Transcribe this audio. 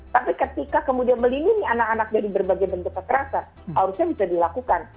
tapi ketika kemudian melindungi anak anak dari berbagai bentuk kekerasan harusnya bisa dilakukan